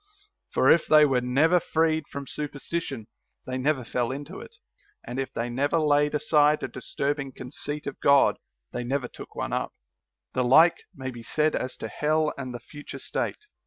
For if they were never freed from superstition, they never fell into it ; and. if they never laid aside a disturbing conceit of God, they never took one up. The like may be said as to hell and the future state.